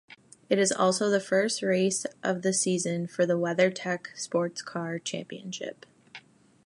It is also the first race of the season for the WeatherTech SportsCar Championship.